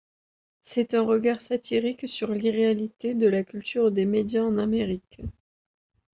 C'est un regard satirique sur l'irréalité de la culture des médias en Amérique.